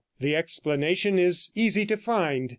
The explanation is easy to find.